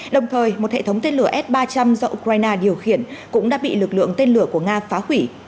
đồng thời một hệ thống tên lửa s ba trăm linh do ukraine điều khiển cũng đã bị lực lượng tên lửa của nga phá hủy